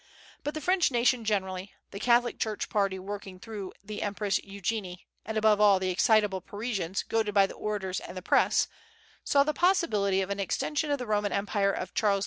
But the French nation generally, the Catholic Church party working through the Empress Eugenie, and, above all, the excitable Parisians, goaded by the orators and the Press, saw the possibility of an extension of the Roman empire of Charles V.